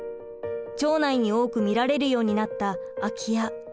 町内に多く見られるようになった空き家。